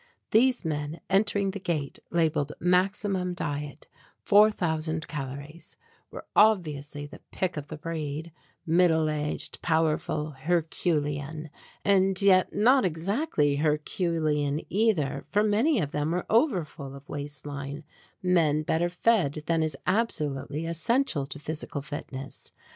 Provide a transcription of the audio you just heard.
These men, entering the gate labelled "Maximum Diet, 4000 Calories," were obviously the pick of the breed, middle aged, powerful, Herculean, and yet not exactly Herculean either, for many of them were overfull of waistline, men better fed than is absolutely essential to physical fitness.